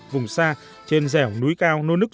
vùng xa trên rẻo núi cao nô nức